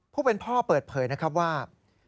ผู้เป็นพ่อเปิดเผยนะครับว่า